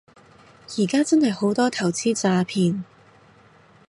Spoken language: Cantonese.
而家真係好多投資詐騙